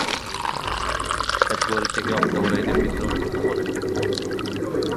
ফেব্রুয়ারি থেকে অক্টোবর এদের বিচরণ চোখে পড়ে।